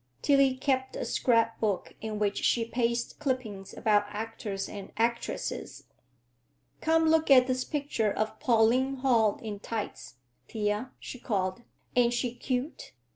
Tillie kept a scrapbook in which she pasted clippings about actors and actresses. "Come look at this picture of Pauline Hall in tights, Thea," she called. "Ain't she cute?